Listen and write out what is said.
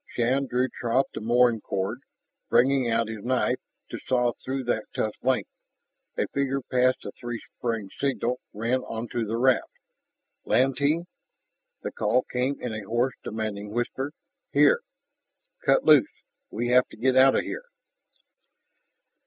Shann drew taut the mooring cord, bringing out his knife to saw through that tough length. A figure passed the three sprig signal, ran onto the raft. "Lantee?" The call came in a hoarse, demanding whisper. "Here." "Cut loose. We have to get out of here!"